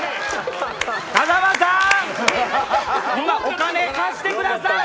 風間さん！お金貸してください！